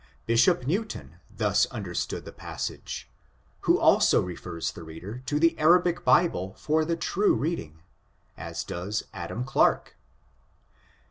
Bishop Newton thus understood the passage, who also refers the reader to the Arabic Bible for the true reading, as does Adam Clark.